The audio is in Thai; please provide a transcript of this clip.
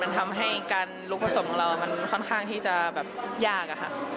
มันทำให้การลุกผสมของเรามันค่อนข้างที่จะแบบยากอะค่ะ